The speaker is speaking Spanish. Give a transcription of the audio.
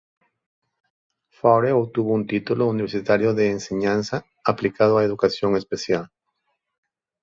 Favre obtuvo un título universitario de Enseñanza aplicado a Educación Especial.